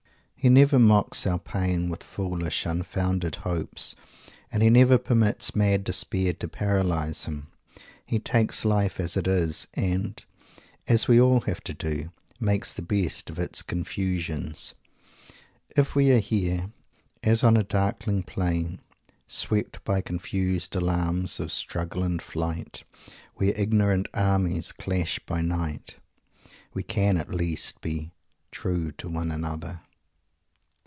He never mocks our pain with foolish, unfounded hopes and he never permits mad despair to paralyse him. He takes life as it is, and, as we all have to do, makes the best of its confusions. If we are here "as on a darkling plain, swept by confused alarms of struggle and flight, where ignorant armies clash by night," we can at least be "true to one another."